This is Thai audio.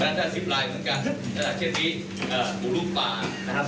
แปลงได้สิบลายเหมือนกันเอ่อเช่นนี้เอ่อบุรุษป่านะครับ